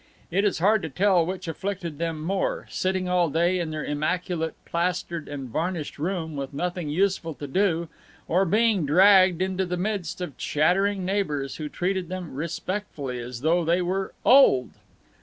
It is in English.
It is hard to tell which afflicted them more sitting all day in their immaculate plastered and varnished room with nothing useful to do or being dragged into the midst of chattering neighbors who treated them respectfully, as though they were old.